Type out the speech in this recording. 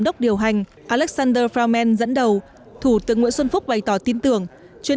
đốc điều hành alexander fromman dẫn đầu thủ tướng nguyễn xuân phúc bày tỏ tin tưởng chuyên